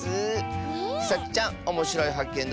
さちちゃんおもしろいはっけん